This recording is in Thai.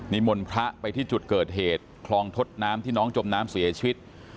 มนต์พระไปที่จุดเกิดเหตุคลองทดน้ำที่น้องจมน้ำเสียชีวิต